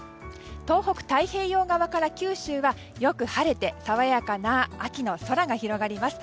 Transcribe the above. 東北、太平洋側から九州はよく晴れて爽やかな秋の空が広がります。